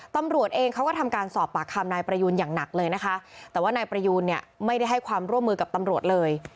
ตำรวจเองเขาก็ทำการสอบปากคำนายประยูนอย่างหนักเลยนะคะแต่ว่านายประยูนเนี่ยไม่ได้ให้ความร่วมมือกับตำรวจเลย